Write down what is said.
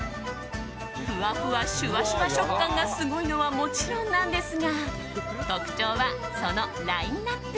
ふわふわ、シュワシュワ食感がすごいのはもちろんなんですが特徴は、そのラインアップ。